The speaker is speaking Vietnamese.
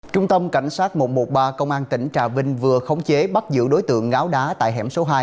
trung tâm cảnh sát một trăm một mươi ba công an tỉnh trà vinh vừa khống chế bắt giữ đối tượng ngáo đá tại hẻm số hai